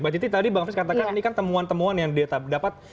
mbak titi tadi bang frits katakan ini kan temuan temuan yang dia dapat